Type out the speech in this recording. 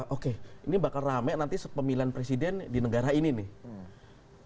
oke ini bakal rame nanti pemilihan presiden di negara ini nih